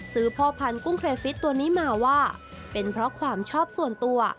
พ่อพันธุ์กุ้งเครฟิตตัวนี้มาว่าเป็นเพราะความชอบส่วนตัว